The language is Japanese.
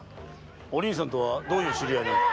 お凛さんとどういう知り合いなのだ？